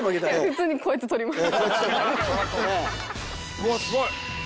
うわっすごい！